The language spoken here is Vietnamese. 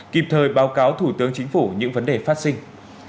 kịp thời báo cáo thủ tướng chính phủ những vấn đề phát sinh